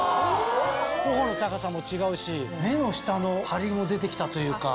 頬の高さも違うし目の下のハリも出て来たというか。